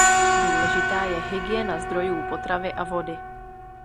Důležitá je hygiena zdrojů potravy a vody.